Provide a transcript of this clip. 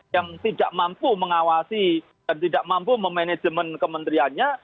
yang tidak mampu mengawasi dan tidak mampu memanajemen kementeriannya